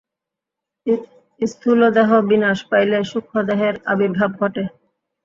স্থূলদেহ বিনাশ পাইলে সূক্ষ্মদেহের আবির্ভাব ঘটে।